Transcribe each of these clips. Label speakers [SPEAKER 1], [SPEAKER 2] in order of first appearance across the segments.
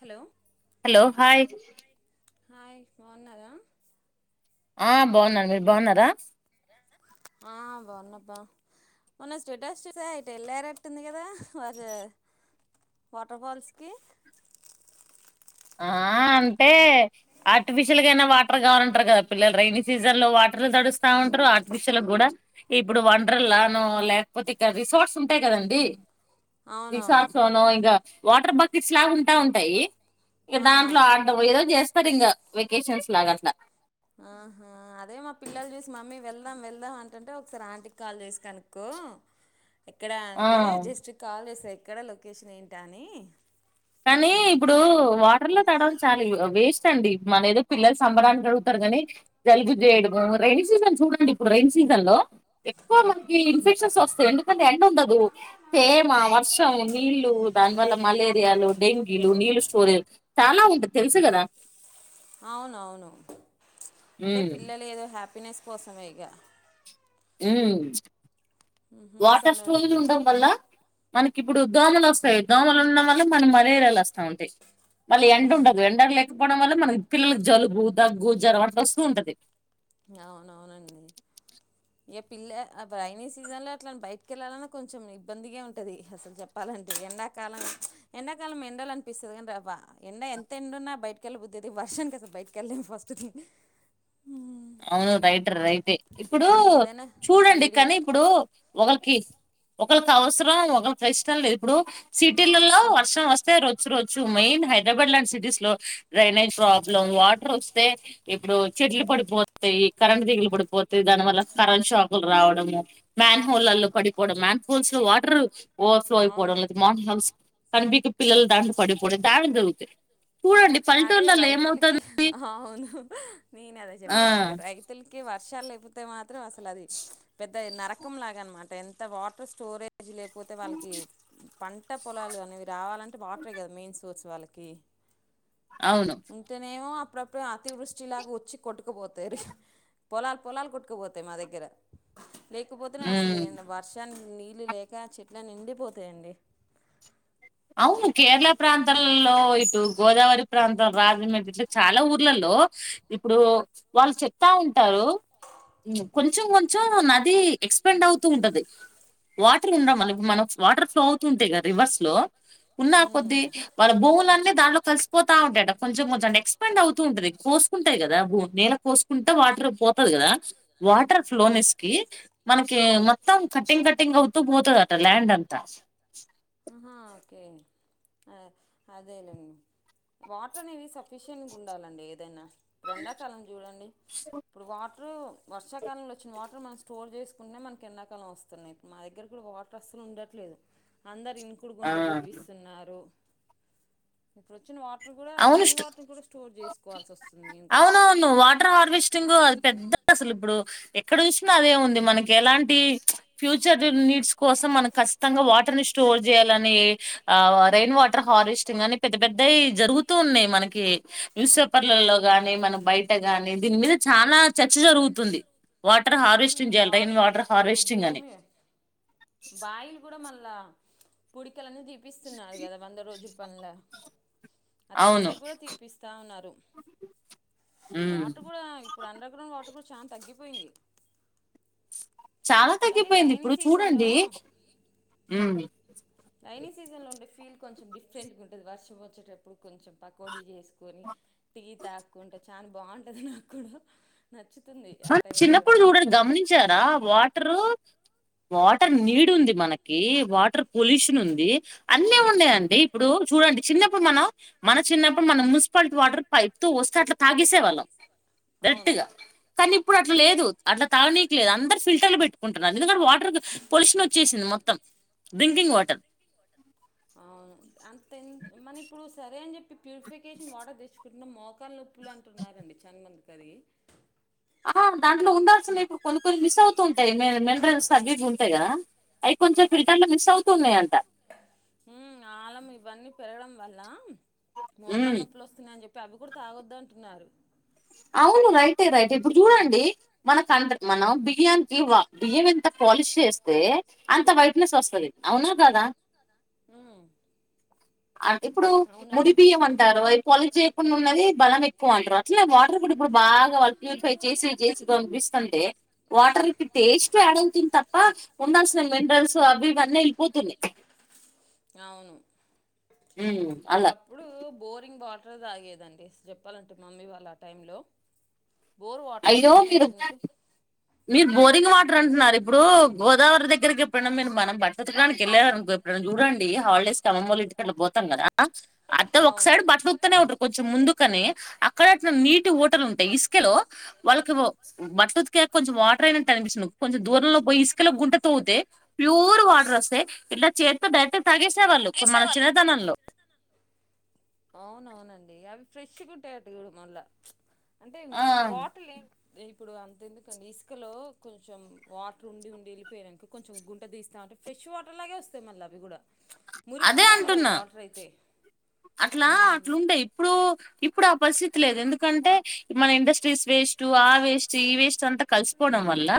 [SPEAKER 1] Hello
[SPEAKER 2] hello hi
[SPEAKER 1] hi బాఉన్నరా
[SPEAKER 2] ఆ బాఉన్న మీర్ బాఉన్నరా
[SPEAKER 1] ఆ బానాక్కా మోన్న స్టేటస్ చూసయ్ ఏటే ఏళ్ళరటుంది కదా వాటే వాటర్ ఫాల్స్ కి
[SPEAKER 2] ఆహ ఆ అంటే ఆర్టిఫిషల్ గాయినా వాటర్ గావాలంటరు కదా పిల్లలు రైైనీ సీజన్ ల వాట్ ట్రిల తడుస్తా ఉంటరు ఆర్టిఫిషల్ గుడా ఇప్పుడు వండర్ లాను లేక్ పోతే ఇక్కడ్ రిసార్ట్స్ ఉంటాయ్ గాద్ కంది ఈ
[SPEAKER 1] అవునవును
[SPEAKER 2] సాక్స్ ను ఇంకా వాటర్ బకెట్స్ లా ఉంటా ఉంటాయి ఇక
[SPEAKER 1] ఆ
[SPEAKER 2] దాంట్లో ఆట ఏదో చేస్తారు ఇంకా వెకేషన్స్ లాగా అట్లా
[SPEAKER 1] ఆహా అదే మా పిల్లలు చూసి మమ్మీ వెళ్దాం వెళ్దాం అంటంటే ఒకసారి ఆంటీకి కాల్ చేసి కనుక్కో ఓ ఎక్కడ అంటే
[SPEAKER 2] ఆ
[SPEAKER 1] జస్ట్ కాల్ చేసా ఎక్కడ లోకేషన్ ఏంటా అని
[SPEAKER 2] కానీ ఇప్పుడు వాటర్ లో తడడం చాలా వేస్ట్ అండి మన ఏదో పిల్లలు సంబడానికి అడుగుతారు కాని జలుబు చేయడము రైనీ సీజన్స్ చూడండి ఇప్పుడు రైనీ సీజన్ లో ఎక్కువ మనకి ఇన్ఫెక్షన్స్ వస్తాయి ఎందుకంటే ఎండ ఉండదు తేమ, వర్షం, నీళ్లు దాని వల్ల మలేరియాలు డెంగ్యూలు నీళ్లు స్టోరే చాలా ఉంటది తెలుసు కదా
[SPEAKER 1] అవునవును అంటే
[SPEAKER 2] ఉమ్,
[SPEAKER 1] పిల్లలు ఏదో హ్యాపీనెస్ కోసమేగా
[SPEAKER 2] ఉ
[SPEAKER 1] మ్హూ
[SPEAKER 2] వాటర్
[SPEAKER 1] అసలు
[SPEAKER 2] స్టోల్ ఉండం వల్ల మనకి ఇప్పుడు దోమలు వస్తాయి దోమలు ఉండం వల్ల మనం మలేరియాలు వస్తా ఉంటాయి మళ్ళీ ఎండ ఉండదు ఎండ లేకపోవడం వల్ల మనకి పిల్లలకు జలుబు దగ్గు జరం అట్లా వస్తూ ఉంటది
[SPEAKER 1] అవునవునండి ఏ పిల్ల రైైనీ సీజన్ లో అట్లా బయటికి వెళ్లాలన్నా కొంచెం ఇబ్బందిగా ఉంటది అసలు చెప్పా ఎండాకాలం ఎండాకాలం ఎండలు అనిపిస్తది కానీ ఎండ ఎంత ఎండ ఉన్నా బయటకెల్ల బుద్ధి వర్షానికి ఐతే బయటకెళ్లేని పరిస్థితి
[SPEAKER 2] అవును రైట్ ర రైటే ఇప్పుడు
[SPEAKER 1] ఏదైనా
[SPEAKER 2] చూడండి
[SPEAKER 1] వేడిగా
[SPEAKER 2] కానీ ఇప్పుడు ఒకాల కి ఒకలకి అవసరం ఒకరికి కష్టం లేదు ఇప్పుడు సిటీలల్లో వర్షం వస్తే రొచ్చు రొచ్చు మెయిన్ హైదరాబాద్ లాంటి సిటీస్ లో డ్రైనేజ్ ప్రాబ్లం వాటర్ వస్తే ఇప్పుడు చెట్లు పడిపో తయి కరెంట్ తీగలు పడిపోతా దాని వల్ల కరెంట్ షాకులు రావడము మ్యాన్ హోలల్లో పడిపోవడం మాన్ పుల్స్లో వాటరు ఓవర్ ఫ్లో అయిపోవడం
[SPEAKER 1] అవును
[SPEAKER 2] లేదు మార్ల్ హౌస్ కంపికి పిల్ల దాడు పడిపోడం తాన జరుగుతాయి చూడండి
[SPEAKER 1] అదే
[SPEAKER 2] పల్లెటూర్లలో
[SPEAKER 1] రైతులకి
[SPEAKER 2] ఏమవుతుంది
[SPEAKER 1] అవును నేను అదే
[SPEAKER 2] ఆ
[SPEAKER 1] చెప్దా అనుకున్న రైతులకి వ వర్షాలు లేపోతే మాత్రం అసలు అది పెద్ద నరకం లాగా అనమాట ఎంత వాటర్ స్టోరే జ్ లేకపోతే వాళ్ళకి పంట పొలాలు అనేవి రావాలంటే వాటరే కదా మెయిన్ సోర్స్ వాళ్ళకి
[SPEAKER 2] అవును
[SPEAKER 1] ఉంటేనేమో అప్పుడప్పుడు అతివృష్టిలాగా వచ్చి కొట్టుకుపోతారు పొలాలు పొలాలు కొట్కుపోతాయి మా దగ్గర లేకపోతేనే అసలు
[SPEAKER 2] ఉమ్
[SPEAKER 1] వర్షానికి నీళ్ళు లేక చెట్లన్నీ ఎండిపోతాయండి
[SPEAKER 2] అవును కేరళ ప్రాంతల్లో ఇటు గోదావరి ప్రాంత రాజమండ్రి చాలా ఊర్లలో ఇప్పుడు వాళ్ళు చెప్తా ఉంటారు కొంచెం కొంచెం నది ఎక్స్టెండ్ అవుతూ ఉంటది వాటర్ ఉందా మనకి మనం వాటర్ ఫ్లో అవుతుంటే కదా రివర్స్ లో ఉన్నా కొద్ది
[SPEAKER 1] ఉమ్.
[SPEAKER 2] వాళ్ళ భూములన్నీ దాంట్లో కలిసిపోతా ఉంటాయట కొంచెం కొంచెం అ ఎక్స్పండ్ అవుతూ ఉంటది కోసుకుంటాయి కదా భూ కోసుకుంటే వాటరు పోతది కదా వాటర్ ఫ్లోనెస్ నీ మనకి మొత్తం కట్టి ఈ కటింగ్ అవుతూ పోతదట ల్యాండ్ అంతా
[SPEAKER 1] హా ఓకే ఆఅదేలేండి వాటర్ అనేవి సఫిషియంట్గా ఉండాలండి ఏదైనా ఇప్పుడు ఎండాకాలం చూడండి ఇప్పుడు వాటరు వర్షకాలంలో వచ్చిన వాటర్ మనం స్టోర్ చేసుకునే మనకి ఎండాకాలం వస్తున్నాయి మా దగ్గర కూడా వాటర్ అసలు ఉండట్లేదు అందరు ఇంకుడు
[SPEAKER 2] ఆ
[SPEAKER 1] గుంట్లో దిప్పిస్తున్నారు ఇప్పుడు వచ్చినా వా
[SPEAKER 2] అవునుష్ట్
[SPEAKER 1] వస్తుంది మేము కూడా
[SPEAKER 2] అవునవును వాటర్ హార్వెస్టింగ్ అది పెద్ద అసలు ఇప్పుడు ఎక్కడ చూసినా అదే ఉంది మనకి ఎలాంటి ఫ్యూచర్ నీడ్స్ కోసం మనక ఖచ్చితంగా వాటర్ ని స్టోర్ చేయాలని ఆ రెయిన్ వాటర్ హార్వేస్టింగ్ అని పెద్ద పెద్ద జరుగు తున్నాయి మనకి న్యూస్ పేపర్లలో గానీ మన బయట గాని దీని మీద చానా చర్చ జరుగుతుంది. వాటర్
[SPEAKER 1] ఉమ్
[SPEAKER 2] హార్వెస్టింగ్ చేయాలి,
[SPEAKER 1] వా
[SPEAKER 2] రైన్ వాటర్ హార్వెస్టింగ్ అని.
[SPEAKER 1] బాయిల్ కూడ మళ్ లా పుడికలన్నీ దీపిస్తున్నారు కదా వంద రోజుల పనుల అట్లా
[SPEAKER 2] అవును
[SPEAKER 1] పెట్టి కూడా తీపిస్తా ఉన్నారు
[SPEAKER 2] ఉమ్
[SPEAKER 1] వాటర్ కూడా ఇప్పుడు అండర్ గ్రౌండ్ వాటర్ కూడ చానా తగ్గిపోయింది.
[SPEAKER 2] చాలా
[SPEAKER 1] కానీ
[SPEAKER 2] తగ్గిపోయింది
[SPEAKER 1] రైనీ
[SPEAKER 2] ఇప్పుడు
[SPEAKER 1] సీజన్లో
[SPEAKER 2] చూడండి
[SPEAKER 1] రైైనీ సీజన్ లో ఉండే ఫీల్ కొంచెం డిఫరెంట్ గా ఉంటది, వర్షం వచ్చేటప్పుడు కొంచెం పకోడి చేసుకొని. టీ తాక్కుంటే చాన బాగుంటది నాకు కూడ నా
[SPEAKER 2] మన్ చిన్నప్పుడు చూడరు గమనించారా వాటరు వాటర్ నీడ్ ఉంది, మనకి వాటర్ పొల్యూషన్ ఉంది, అన్నీ ఉన్నాయండి ఇప్పుడు చూ. డండి చిన్నప్పుడు మనం, మన చిన్నప్పుడు మనం మున్సిపాలిటీ వాటర్ పైప్ తో వొస్తే అట్లా తాగేసేవాళ్ళం.
[SPEAKER 1] అవును
[SPEAKER 2] దట్టుగా కానీ ఇప్పుడు అట్లా లేదు అట్లా తాగనీకి లేదు. అందరు ఫిల్టర్లు పెట్టుకుంటున్నారు, ఎందుకంటే వాటర్ పొల్యషన్ వచ్చేసింది మొత్. డ్రింకింగ్ వాటర్
[SPEAKER 1] అవును అంతేన్ మన ఇప్పుడు సరే అని చెప్పి ప్యూరిఫికేషన్ వాటర్ తెచ్ కున్న మోకాళ్లు నొప్పులు అంటున్నారండి చాన్ మందికది
[SPEAKER 2] ఆ దాంట్లో ఉండాల్సినవి ఇప్పుడు కొన్ని కొన్ని మిస్ అవుతూ ఉంటాయి, మ మినరల్స్ అవి ఇవి ఉంటాయి కదా. అయి కొంచెం ఫిల్టర్ లో మిస్ అవుతూ ఉన్నాయి అంట
[SPEAKER 1] హ్మ్ ఆలం ఇవన్నీ పెరగడం వల్ల మోకాలు
[SPEAKER 2] ఉమ్
[SPEAKER 1] నొప్పులు వస్తున్నాయని చెప్. ఇప్పుడు అవి కూడ తాగొద్దు అంటున్నారు
[SPEAKER 2] అవును రైటె రైటె ఇప్పుడు చూడండి మన తండ్రు మనం బియ్యానికి వా బియ్యం ఎంత. పాలిష్ చేస్తే అంత వైట్ నెస్ వస్తది అవునా, కదా.
[SPEAKER 1] హు
[SPEAKER 2] ఇప్పుడు ముడి బియ్యం అంటారు, అవి పొలు చేయకుండా ఉన్నది బలం ఎక్కువ అంటారు అట్లనే వా. ఇప్పుడిప్పుడు బాగా వా ప్యూరిఫై చేసి చేసి పనిపిస్తుంటే వాటర్ కి టేస్ట్ ఆడ్ అవుతున్ త. తప్ప ఉండాల్సిన మినరల్స్ అవి ఇవన్నీ వెళ్ళిపోతున్నాయి.
[SPEAKER 1] అవును
[SPEAKER 2] అలా
[SPEAKER 1] ఒకప్పుడు బోరింగ్ వా టర్ తాగేదండి చెప్పాలంటే మమ్మీ వాళ్ళు ఆ టైం లో. వాటర్
[SPEAKER 2] అయ్యో
[SPEAKER 1] వచ్చినాయి
[SPEAKER 2] మీరు
[SPEAKER 1] వచ్చినట్టు
[SPEAKER 2] మీరు బోరింగ్ వాటర్ అంటున్నారు ఇప్పుడు, గోదావరి దగ్గరికి ఎప్పుడనా మీరు మనం బట్. ఉతకడానికి వెళ్లారనుకోండి ఎప్పుడన్నా చూడండి హాలిడేస్ కి అమ్మమ్మాళ్ల ఇంటికి అట్లా పోతాం కదా అట్టే ఒక
[SPEAKER 1] అవును
[SPEAKER 2] సైడ్ బట్టలు ఉతుకుతూనే ఉంటరు, కొంచెం ముందుకని అక్కడ అట్ నీటి ఊటలు ఉంటయి ఇసుకలో. వాళ్ళకి బట్టలు ఉతికాక కొంచెం వాటర్ అయినట్టు అనిపించున్ కొంచెం దూరంలో పోయి ఇసుకలో గుంట తవ్వితే. ప్యూర్ వాటర్ వస్తే ఇట్లా చేత్ తో డైరెక్ట్ తాగేసే వాళ్ళు మన చిన్నతనంలో
[SPEAKER 1] నండి అవి ఫ్రెష్గా ఉంటాయట్ట కూడ మళ్ళ అంటే
[SPEAKER 2] ఆ
[SPEAKER 1] వాటర్ లేన్ ఇప్పుడు అంత ఎందుకండి ఇసుకలో కొంచెం వాటర్ ఉండి ఉండి వెళ్ళిపోయినాక కొంచెం గుంట తీస్తా ఉంటే ఫ్రెష్ ఫ్రెష్ వాటర్ లాగే వస్తాయి మళ్ళ అవి కూడా మురికి
[SPEAKER 2] అదే
[SPEAKER 1] కూడా ఉండవు
[SPEAKER 2] అంటున్నా
[SPEAKER 1] వాటర్ అయితే.
[SPEAKER 2] అట్లా
[SPEAKER 1] ఉమ్,
[SPEAKER 2] అట్లుంటాయి ఇప్పుడు ఇప్పుడు ఆ పరిస్థితి లేదు ఎందుకంటే మన ఇండస్ట్రీస్ వేస్ట్, ఆ వేస్ట్, ఈ వేస్ట్ అంతా. కలిసిపోవడం వల్ల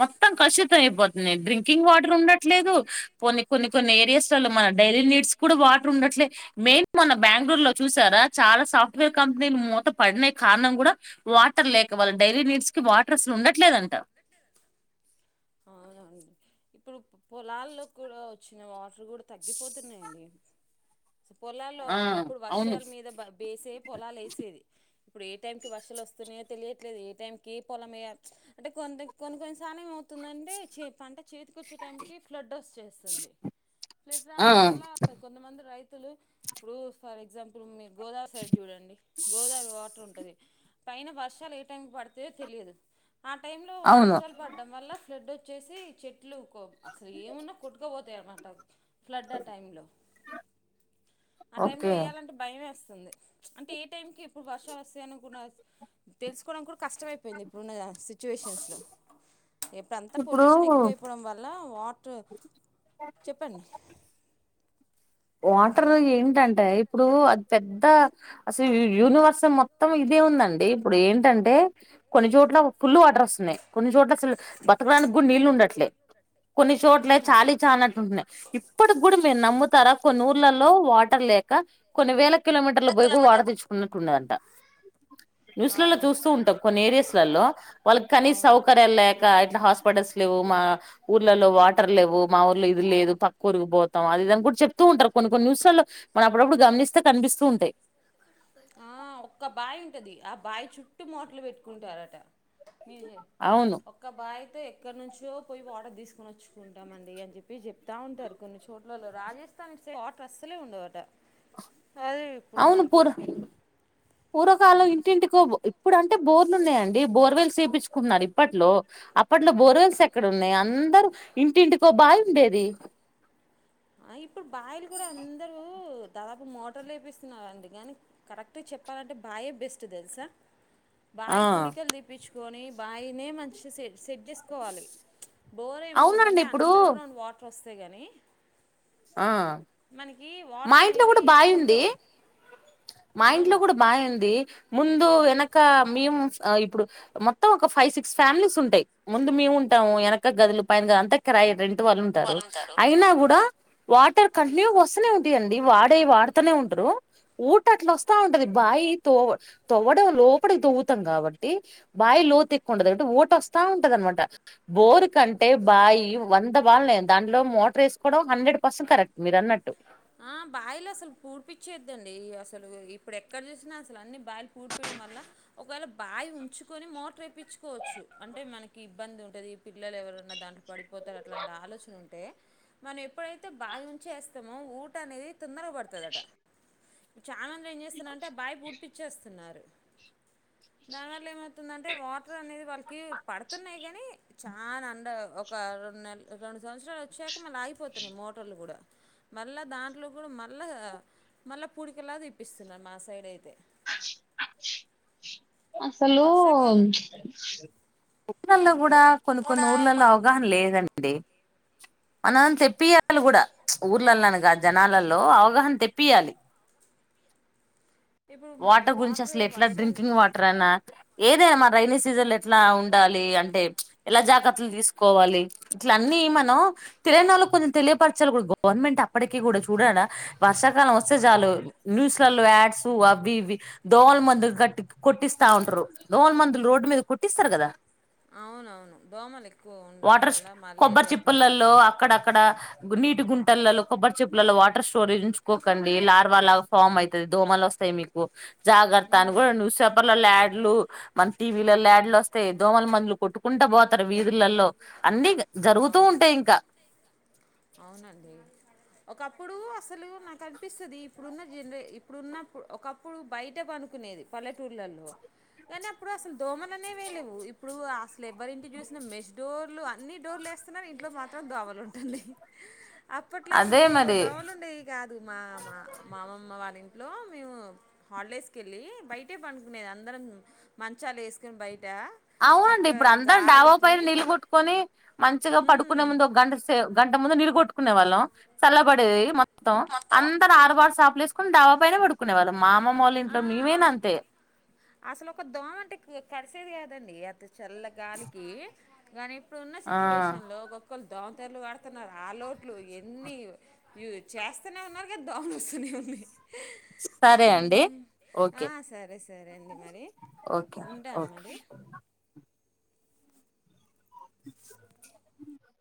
[SPEAKER 2] మొత్తం కలుషితం అయిపోత్ నే డ్రింకింగ్ వాటర్ ఉండట్లేదు కొన్ని కొన్ని కొన్ని ఏరియాస్ లోల్ల మన డైలీ నీడ్స్ కూడ వాటర్ ఉండట్. ట్లే మెయిన్ మొన్న బెంగళూరు లో చూసారా చాలా సాఫ్ట్వేర్ కంపెనీలు మూత పడినాయి. కారణం కూడా వాటర్ లేక వాళ్ళ డైరీ నీడ్స్ కి వాటర్ అస్సలు ఉండట్లేదంట
[SPEAKER 1] అవునండి ఇప్పుడు పొలాల్లో కూడా వచ్చిన వాటర్ కూడా తగ్గిపోతున్నాయండి పొలాల్లో
[SPEAKER 2] ఆ
[SPEAKER 1] ఒకప్పుడు
[SPEAKER 2] అవును
[SPEAKER 1] వర్షాల మీద వేసే పొలాలు వేసేది ఇప్పుడు ఏ టైం కి వర్షలు వస్తున్నాయో తెలియట్లేదు ఏ టైమ్ కీ ఏ పొలమ అంటే కొ కొన్ని కొన్ని సలు ఏం అవుతుంది అంటే టే పంట చేతికోచ్చే టైం క ఫ్లడ్ వస్తు చేస్తుంది ఫ్లడ్
[SPEAKER 2] ఆ
[SPEAKER 1] రావడం వల్ల కొంతమంది రైతు వతులు ఇప్పుడు ఫర్ ఎగ్జాంపుల్ మీరు గోదావరి సైడ్ చూడండి గోదావరి వాటర్ ఉంటయీ పైన వర్షాలు ఏ టైం పడుతయో తెలియదు ఆ టైమ్ లో
[SPEAKER 2] అవును
[SPEAKER 1] వర్షాలు పడ్డం వల్ల ఫ్లడ్ వచ్చేసి చెట్లు అస్సలు ఏమున్నా కొట్టుకపోతాయి అన్నమాట ఫ్లడ్ ఆ టైంలో ఆ టైంలో
[SPEAKER 2] ఓకే
[SPEAKER 1] వేయ్యాలంటే భయమే వస్తుంది అంటే ఏ టైంకి ఇప్పుడు వర్షాలు వస్తాయను తెలుసుకోవడం కూడా కష్టమైపోయింది ఇప్పుడున్న సిచ్యువేషన్స్లో ఇప్పుడంతా పొల్యూషన్
[SPEAKER 2] ఇప్పుడు
[SPEAKER 1] ఎక్కువైపోవడం వల్ల వాటర్ చెప్పండి
[SPEAKER 2] వాటర్
[SPEAKER 1] హలో
[SPEAKER 2] ఏంటంటే ఇప్పుడు అది పెద్ద అస్సలు యూనివర్స్ మొత్తం ఇదే ఉందండి ఇప్పుడు ఏంటంటే కొన్ని చోట్ల ఫుల్ వాటర్ వస్తున్నాయి కొన్ని చోట్ల అస్సలు బతకడానికి కూడా నీళ్ళలు ఉండట్లే కొన్ని చోట్ల
[SPEAKER 1] ఉమ్,
[SPEAKER 2] చాలీ చానట్టు ఉంటున్నాయి ఇప్పడు కూడా మీరు నమ్ముతారా కొన్ని ఊర్లలో వాటర్ లేక కొన్ని వేల కిలోమీటర్ల పోయి కూడా వాటర్ తెచ్చుకున్నట్టు ఉండదంట న్యూస్లలో
[SPEAKER 1] అవును
[SPEAKER 2] చూస్తూ ఉంటాం కొన్ని ఏరియాస్లలో వాళ్ళకి కనీ
[SPEAKER 1] అవును
[SPEAKER 2] సౌకర్యాలు లేక ఇట్లా హాస్పిటల్స్ లేవు మా ఊర్లలో వాటర్ లేవు మా ఊర్లో ఇది లేదు పక్క ఊరికు పోతాం అది ఇప్పుడు చెప్తూ ఉంటారు కొన్ని కొన్ని న్యూస్లా లో మనం అప్పుడప్పుడు గమనిస్తే కనిపిస్తూ ఉంటాయి
[SPEAKER 1] ఆ ఒక్క బావి ఉంటది ఆ బాయీ చుట్టూ మూటలు పెట్టుకుంటారట మీ
[SPEAKER 2] అవును
[SPEAKER 1] ఒక్క బాయి ఎక్కడ నుంచో పోయి వాటర్ తీసుకొని వచ్చుకుంటామండి అని చెప్పి చెప్తా ఉంటారు కొన్ని చోట్లలో రాజే వాటర్ అస్సలే ఉన్నడావంట
[SPEAKER 2] అవును పూర్ పూర్వకాలం ఇంటింటికో ఇప్పుడు అంటే బోర్లు ఉన్నాయంండి బోర్వెల్ చేపించుకుంటున్నారు ఇప్పట్లో అప్పట్లో బోర్వెల్స్ ఎక్కడ ఉన్నాయి అందరు ఇంటింటికో బావి ఉండేది
[SPEAKER 1] ఆ ఇప్పుడు బాయలు కూడా అందరూ దాదాపు మోటార్లు వపిస్తున్నారండి కానీ కరెక్ట్గా చెప్పాలంటే బాయ బెస్ట్ తెలుసా
[SPEAKER 2] ఆ
[SPEAKER 1] బాయీ పుడికలు దిప్పించుకొని బాయినే మంచి స సెట్ చేసుకోవాలి డోర్
[SPEAKER 2] అవునండి
[SPEAKER 1] ఏమవుద్దంటే
[SPEAKER 2] ఇప్పుడు
[SPEAKER 1] అండర్ గ్రౌండ్ వాటర్ వస్తే గాని
[SPEAKER 2] ఆ మా ఇంట్లో
[SPEAKER 1] అనేవి
[SPEAKER 2] కూడా బావి
[SPEAKER 1] ఎక్కువ
[SPEAKER 2] ఉంది
[SPEAKER 1] ఉండవు
[SPEAKER 2] మా ఇంట్లో
[SPEAKER 1] అవును
[SPEAKER 2] కూడా బాయీ ఉంది ముందు వెనక మేము ఇప్పుడు మొత్తం ఒక ఫైవ్ సిక్స్ ఫ్యామిలీస్ ఉంటాయి ముందు మేము ఉంటాము వెనక గదులు పైన గదు అంతా క రెంట్ ఇంటి వాళ్ళు ఉంటారు అయినా కూడా వాటర్ కంటిన్యూ వస్తూనే ఉంటాయండి వాడే వాడుతూనే ఉంటరు ఊట అట్లా వస్తా ఉంటది బావి తో తోవ్వడం లోపలికి తవ్వుతాం కాబట్టి బావి లో క్కుంటంది ఓటు వస్తా ఉంటది అనమాట బోరు కంటే బాయి వంద బాలనే దాంట్లో మోటార్ ఏసుకోవడం హండెడ్ పసంట్ కరెక్ట్ మీరు అన్నట్టు
[SPEAKER 1] ఆ బాయ అస్సలు పూడిపిచ్చేద్దండి అసలు ఇప్పుడు ఎక్కడ చూసినా అస్సలు అన్ని బాయ పూడిపియడం వల్ల ఒకవేళ బాయి ఉంచుకోని మోటర్ ఏప్పిచుకోవచ్చు అంటే మనకి ఇబ్బంది ఉంటది పిల్లలు ఎవరన్నా దాంట్లో పడిపోతారు అట్లాంటి ఆలోచన ఉంటే మనం ఎప్పుడైతే బాయి చేస్తమో ఊ అనేది తొందరగ పడుతదట చానామంది ఏం చేస్తున్నారుంటే బాయి పూడిపిచ్చేస్తున్నారు దానివల్ల ఏమవుతుందంటే వాటర్ అనేది వాళ్ళకి పడుతున్నాయి గాని చానా అండ్ ఒక రెండు నెల్ రెండు సంవత్సరాలు వచ్చాక మళ్ళ ఆగిపోతున్నాయి మోటార్లు గూడ మళ్ళ దాంట్లో గూడ మళ్ళ మళ్ళా పూడికలా దీపిస్తున్నారు మా సైడ్ అయితే
[SPEAKER 2] అసలు
[SPEAKER 1] వర్షాకాలం
[SPEAKER 2] కూడా కొన్ని కొన్ని ఊర్లలో అవగాహన లేదన్ మనం చెప్పీయాల గుడ ఊర్లల్లను గాని జనాలల్లో అవగాహన తెప్పీయాలి
[SPEAKER 1] ఇప్పుడు
[SPEAKER 2] వాటర్ గురించి అసలెట్ల
[SPEAKER 1] వర్షాలు
[SPEAKER 2] డ్రింకింగ్ వాటర్ అనా ఏదే అమ రైైనీ సీజన్లో ఎట్లా ఉండాలి అంటే ఎలా జాగత్తలు తీసుకోవాలి ఇట్ల అన్నీ మనం తెలీణోళ్ళ కొంచెం తెలియపరచాలి గుడ గవర్నమెంట్ అప్పటికి గూడా చూడాడ వర్షాకాలం వస్తే జాలు న్యూస్లలో యాడ్స్ వివి దోవల మందులు కట్టి కొట్టిస్తా ఉంటరు దోవల మందులు రోడ్డు మీద కొట్టిస్తారు కదా
[SPEAKER 1] అవునవును దోమలు ఎక్కువ ఉండడం
[SPEAKER 2] వాటర్స్
[SPEAKER 1] వల్ల
[SPEAKER 2] కొబ్బరి
[SPEAKER 1] మలేరియా అట్లాంటివి
[SPEAKER 2] చిప్పలల్లో అక్కడక్కడ నీటి గుంటల్లలో కొబ్బరి చిప్పలలో వాటర్ స్టోరేజు ఉంచుకోకండి లార్వా లాగ ఫార్మ్ అయితది దోమలొస్తాయి మీ జాగర్త అను గూడ
[SPEAKER 1] ఉమ్,
[SPEAKER 2] నువ్ సెపలలాగ్ మన టీ వీ లల్లో యాడ్లొస్తాయి దోమలు మందులు కొట్టుకుంటా పోతారు వీధులల్లో అన్ని జరుగుతూ
[SPEAKER 1] అవును
[SPEAKER 2] ఉంటాయి ఇంకా
[SPEAKER 1] అవునండి ఒకప్పుడు అసలు నాకు అనిపిస్తుది ఇప్పుడున్న జనరే ఇప్పుడున్నప్పు ఒకప్పుడు బయట అనుకునేది పల్లెటూర్లలో కానీ అప్పుడసలు దోమలనేవే లెవ్వు ఇప్పుడు అసలెవరింటి చూసిన మెస్ డోర్లు అన్ని టూర్లు ఏస్తున్నరు ఇంట్లో మాత్రం దోవలుంటున్నయి అప్పట్లో అసలు
[SPEAKER 2] అదే
[SPEAKER 1] ఎక్కువ
[SPEAKER 2] మరి
[SPEAKER 1] దోవలు ఉండేయి గాదు మా మా మామమ్మ వాళ్ళిం లో మేము హాలిడేస్కెళ్ళి బయటే పనుకునేది అందరం మంచాలేసుకొని బై
[SPEAKER 2] అవునండి ఇప్పుడందం డావో పైన నీళ్లు గొట్టుకోని మంచిగా
[SPEAKER 1] మ్మ్.
[SPEAKER 2] పడుకునే ముందు ఒక గంట సే గంట ముందు నీలు కొట్టుకునే వాళ్ళం చల్ల బడేది మ అందరు ఆరువాటు సాపలు ఏసుకుని డావా పైనే పడుకునేవాళ్ళమ్ మా అమ్మమోళింట్లో మేమైనా
[SPEAKER 1] ఆ,
[SPEAKER 2] అంతే
[SPEAKER 1] అట్ల చల్ల గాలికి గాని ఇప్పుడున్న
[SPEAKER 2] ఆ
[SPEAKER 1] సిచ్యువేషన్ లో ఒక్కొక్కళ్ దోమతెరలు వాడుతున్నారు ఆ లోట్లు ఎన్ని చేస్తనే ఉన్నారు గాని దోమలు వస్తూనే ఉన్నాయి
[SPEAKER 2] సరే అండి
[SPEAKER 1] ఆ,
[SPEAKER 2] ఓకే
[SPEAKER 1] సరే సరే అండి మరి
[SPEAKER 2] ఓకే
[SPEAKER 1] ఉంటాం
[SPEAKER 2] ఓకే
[SPEAKER 1] మరి
[SPEAKER 2] హ